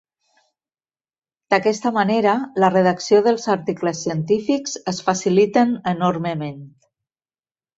D'aquesta manera, la redacció dels articles científics es faciliten enormement.